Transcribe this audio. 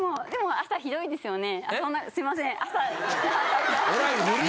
「朝ヒドいですよね？」。